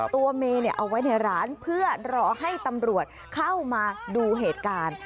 เมย์เอาไว้ในร้านเพื่อรอให้ตำรวจเข้ามาดูเหตุการณ์